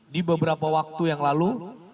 di beberapa waktu yang lalu